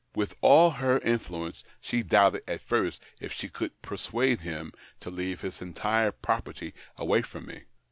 With all her influence she doubted at first if she could persuade him to leave his entire property away from me.